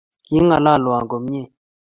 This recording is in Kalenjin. Kingalalwon komnyei